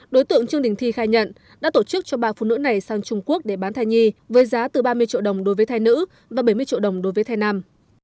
đối tượng trương đình thi khai nhận đã tổ chức cho ba phụ nữ này sang trung quốc để bán thai nhi với giá từ ba mươi triệu đồng đối với thai nữ và bảy mươi triệu đồng đối với thai nam